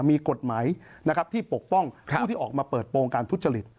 มีกฎหมายนะครับที่ปกป้องผู้ที่ออกมาเปิดโปรงการทุจริต